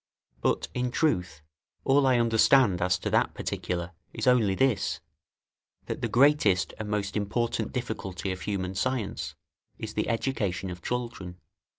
But, in truth, all I understand as to that particular is only this, that the greatest and most important difficulty of human science is the education of children.